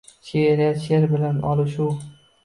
She’riyat – sher bilan olishuv